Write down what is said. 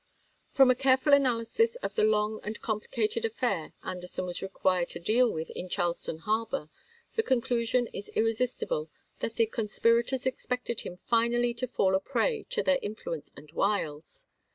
From a careful analysis of the long and compli cated affair Anderson was required to deal with in Charleston harbor, the conclusion is irresistible that the conspirators expected him finally to fall a prey to their influence and wiles.